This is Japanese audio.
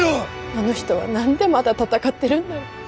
あの人は何でまだ戦ってるんだい。